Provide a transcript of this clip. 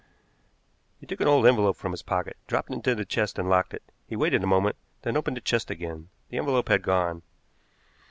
He took an old envelope from his pocket, dropped it into the chest, and locked it. He waited a moment, then opened the chest again. The envelope had gone.